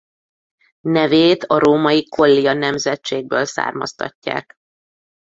Nevét a római Collia nemzetségből származtatják.